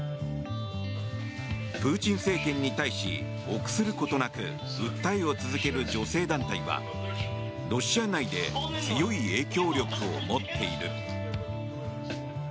プーチン政権に対し臆することなく訴えを続ける女性団体はロシア内で強い影響力を持っている。